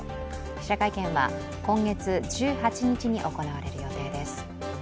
記者会見は今月１８日に行われる予定です。